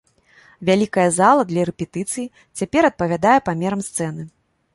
Вялікая зала для рэпетыцый, цяпер адпавядае памерам сцэны.